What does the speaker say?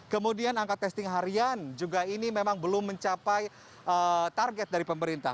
kemudian angka testing harian juga ini memang belum mencapai target dari pemerintah